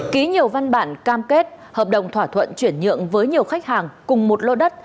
ký nhiều văn bản cam kết hợp đồng thỏa thuận chuyển nhượng với nhiều khách hàng cùng một lô đất